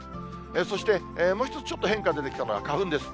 そしてもう一つ、ちょっと変化出てきたのは、花粉です。